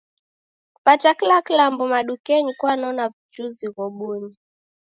Kupata kila kilambo madukenyi kwanona w'ujuzi ghobuni